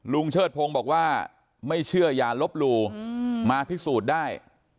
เชิดพงศ์บอกว่าไม่เชื่ออย่าลบหลู่มาพิสูจน์ได้